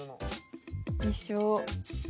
一緒。